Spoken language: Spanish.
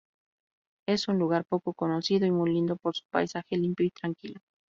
Es un lugar poco conocido y muy lindo por su paisaje limpio y tranquilo.